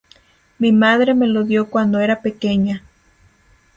Mi madre me lo dio cuando era pequeña.